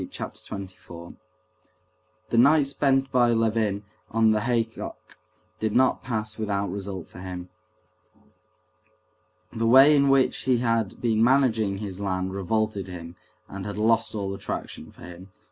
Chapter 24 The night spent by Levin on the haycock did not pass without result for him. The way in which he had been managing his land revolted him and had lost all attraction for him.